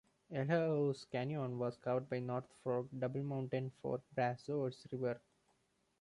Yellow House Canyon was carved by the North Fork Double Mountain Fork Brazos River.